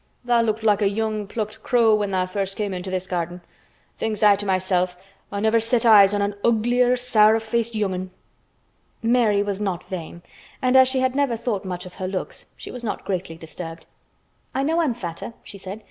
Tha' looked like a young plucked crow when tha' first came into this garden. Thinks I to myself I never set eyes on an uglier, sourer faced young 'un." Mary was not vain and as she had never thought much of her looks she was not greatly disturbed. "I know I'm fatter," she said.